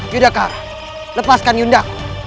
yudhakara lepaskan yundaku